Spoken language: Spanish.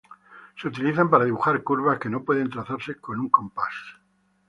Se utilizan para dibujar curvas que no pueden trazarse con un compás.